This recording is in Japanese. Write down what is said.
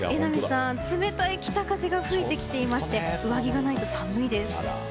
冷たい北風が吹いてきていまして上着がないと寒いです。